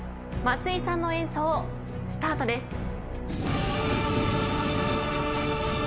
松井さんの演奏スタートです。